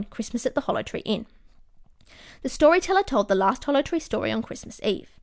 CHRISTMAS AT THE HOLLOW TREE INN THE STORY TELLER TOLD THE LAST HOLLOW TREE STORY ON CHRISTMAS EVE.